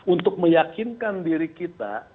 untuk meyakinkan diri kita